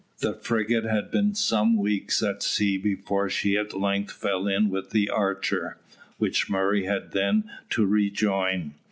The frigate had been some weeks at sea before she at length fell in with the Archer, which Murray had then to rejoin.